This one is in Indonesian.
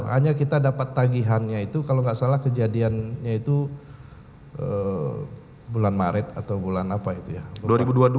hanya kita dapat tagihannya itu kalau nggak salah kejadiannya itu bulan maret atau bulan apa itu ya